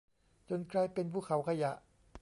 จนกลายเป็นภูเขาขยะ